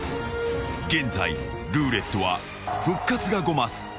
［現在ルーレットは復活が５ます］